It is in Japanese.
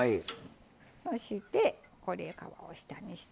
そして、皮を下にして。